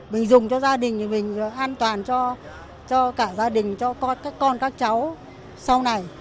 mình dùng cho gia đình thì mình an toàn cho cả gia đình cho các con các cháu sau này